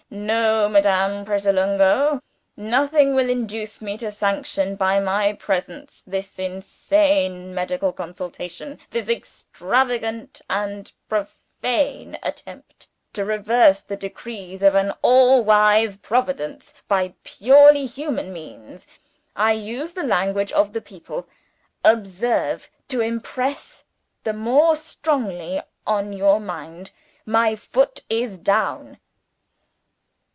"No, Madame Pratolungo, nothing will induce me to sanction by my presence this insane medical consultation, this extravagant and profane attempt to reverse the decrees of an all wise Providence by purely human means. My foot is down I use the language of the people, observe, to impress it the more strongly on your mind My FOOT is down!"